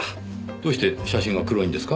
どうして写真が黒いんですか？